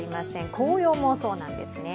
紅葉もそうなんですね。